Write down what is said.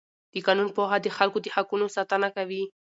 د قانون پوهه د خلکو د حقونو ساتنه کوي.